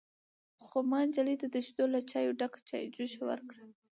_خو ما نجلۍ ته د شيدو له چايو ډکه چايجوشه ورکړه.